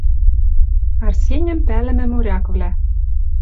Арсеньӹм пӓлӹмӹ моряквлӓ.